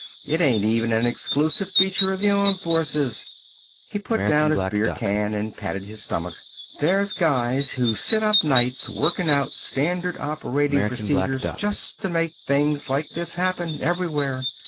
It ain't even a exclusive feature of the armed forces." He put down his beer can and patted his stomach. "There's guys who sit up nights workin' out standard operational procedures just to make things like this happen, everywhere.